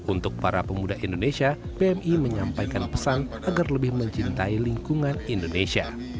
untuk para pemuda indonesia pmi menyampaikan pesan agar lebih mencintai lingkungan indonesia